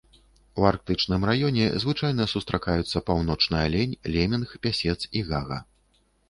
У арктычным раёне звычайна сустракаюцца паўночны алень, лемінг, пясец і гага.